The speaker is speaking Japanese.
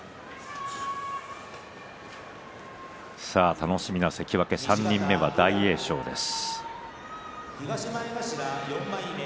楽しみな関脇３人目は大栄翔です。